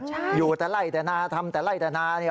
ใช่อยู่แต่ไร่แต่นานทำแต่ไร่แต่นาน